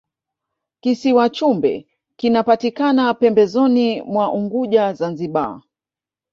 kisiwa chumbe kinapatikana pembezoni mwa unguja zanzibar